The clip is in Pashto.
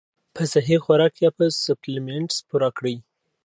پۀ سهي خوراک يا پۀ سپليمنټس پوره کړي -